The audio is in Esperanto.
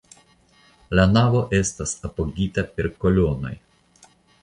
La navo estas apogita per kolonoj.